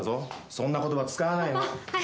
そんな言葉、使わないの。